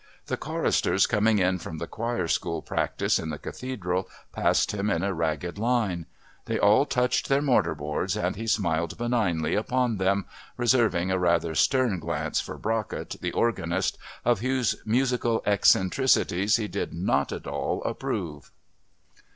The choristers coming in from the choir school practice in the Cathedral passed him in a ragged line. They all touched their mortar boards and he smiled benignly upon them, reserving a rather stern glance for Brockett, the organist, of whose musical eccentricities he did not at all approve.